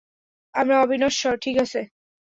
আমরা অবিনশ্বর, ঠিক আছে?